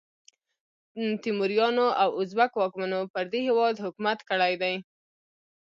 تیموریانو او ازبک واکمنو پر دې هیواد حکومت کړی دی.